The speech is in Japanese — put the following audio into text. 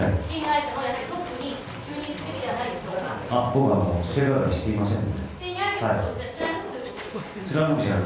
僕は性加害していません。